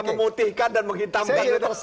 memutihkan dan menghitamkan